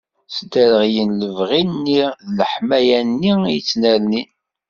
Sdereɣlen lebɣi-nni d leḥmala-nni i yettnernin.